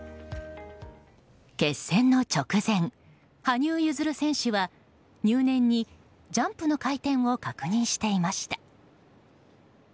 決戦の直前、羽生結弦選手は入念にジャンプの回転を確認していました。